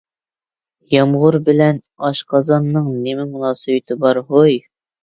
يامغۇر بىلەن ئاشقازاننىڭ نېمە مۇناسىۋىتى بار ھوي؟